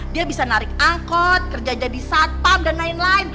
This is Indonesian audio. dia bisa narik angkot kerja jadi satpam dan lain lain